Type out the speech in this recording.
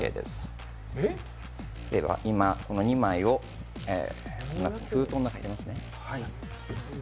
では、今この２枚を封筒の中に入れますね。